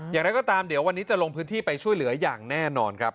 อย่างไรก็ตามเดี๋ยววันนี้จะลงพื้นที่ไปช่วยเหลืออย่างแน่นอนครับ